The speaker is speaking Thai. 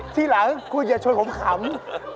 ทีหลังคุณอย่าชวนผมขำ